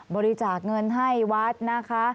บริจาคเงินให้วัดนะคะ